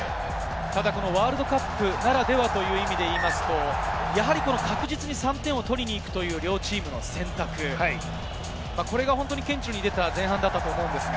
ワールドカップならではという意味で言いますと、確実に３点を取りに行くという両チームの選択、これが顕著に出た前半だったと思います。